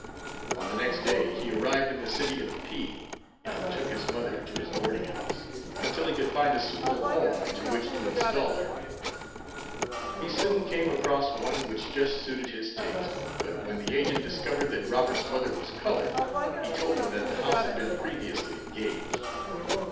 On the next day he arrived in the city of P , and took his mother to his boarding house, until he could find a suitable home into which to install her. He soon came across one which just suited his taste, but when the agent discovered that Robert's mother was colored, he told him that the house had been previously engaged.